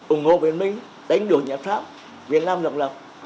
ủng hộ việt minh đánh đuổi nhà pháp việt nam lập lập